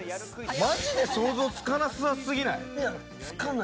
マジで想像つかなさすぎない？